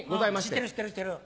知ってる知ってる知ってる。